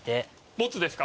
もつですか？